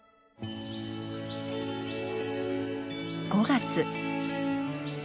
５月。